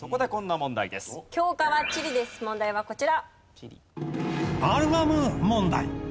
問題はこちら。